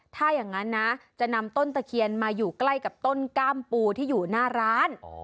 ถ้าอย่างนั้นนะจะนำต้นตะเคียนมาอยู่ใกล้กับต้นกล้ามปูที่อยู่หน้าร้าน